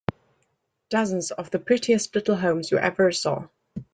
Dozens of the prettiest little homes you ever saw.